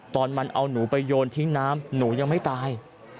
ตอนมันเอาหนูไปโยนทิ้งน้ำหนูยังไม่ตาย